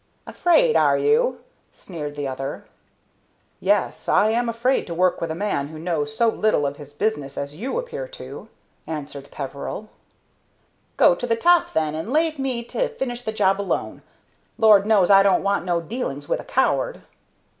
"Afraid, are you?" sneered the other. "Yes, I am afraid to work with a man who knows so little of his business as you appear to," answered Peveril. "Go to the top then, and lave me to finish the job alone. Lord knows, I don't want no dealings with a coward."